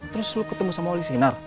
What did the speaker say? terus lo ketemu sama wali sinar